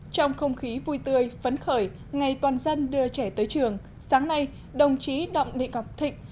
trong không khí vui tươi phấn khởi ngày toàn dân đưa trẻ tới trường sáng nay đồng chí đặng thị ngọc thịnh